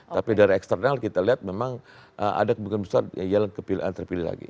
tapi dari eksternal kita lihat memang ada kebukaan besar yellen kepilihan terpilih lagi